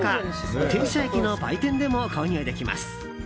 停車駅の売店でも購入できます。